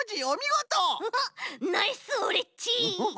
ナイスオレっち。